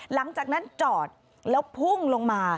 หลังจากนั้นจอดแล้วพุ่งลงมา